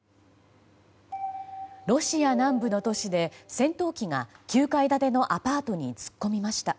ロシア南部の都市で戦闘機が９階建てのアパートに突っ込みました。